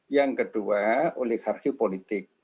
yang kedua oligarki politik